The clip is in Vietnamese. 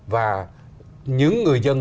và những người dân